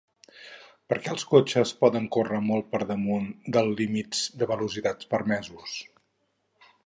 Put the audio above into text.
Per què els cotxes poden córrer molt per damunt dels límits de velocitat permesos?